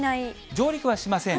上陸はしません。